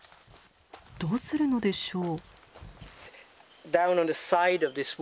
どうするのでしょう？